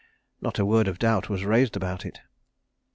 Not a word of doubt was raised about it.